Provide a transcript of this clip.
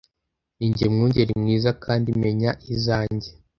Ni jye mwungeri mwiza kandi menya izanjye